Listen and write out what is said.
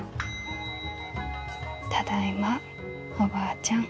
ただいまおばあちゃん。